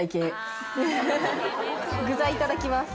具材いただきます。